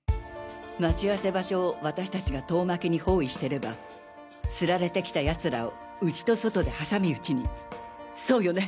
待ち合わせ場所を私達が遠巻きに包囲してればつられて来た奴らを内と外で挟み撃ちにそうよね？